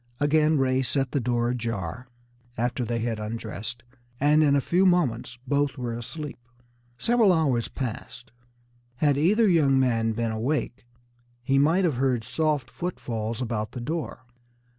Again Ray set the door ajar, after they had undressed, and in a few moments both were asleep. Several hours passed. Had either young man been awake, he might have heard soft footfalls about the door.